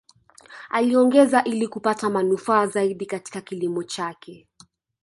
Aliongeza ili kupata manufaa zaidi Katika kilimo chake